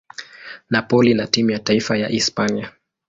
Napoli na timu ya taifa ya Hispania.